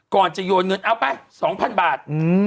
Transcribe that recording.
ก่อนจะโยนเงินเอาไป๒๐๐๐บาท